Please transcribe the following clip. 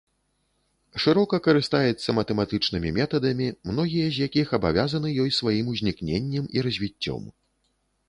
Шырока карыстаецца матэматычнымі метадамі, многія з якіх абавязаны ёй сваім узнікненнем і развіццём.